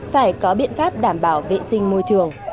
phải có biện pháp đảm bảo vệ sinh môi trường